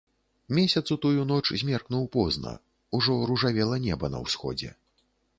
Месяц у тую ноч змеркнуў позна, ужо ружавела неба на ўсходзе.